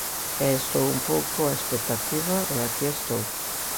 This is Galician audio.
E estou un pouco á expectativa e aquí estou.